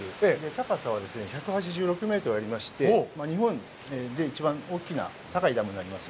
高さは１８６メートルありまして、日本で一番大きな高いダムになります。